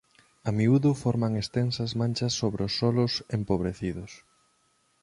A miúdo forman extensas manchas sobre solos empobrecidos.